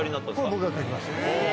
僕が描きました。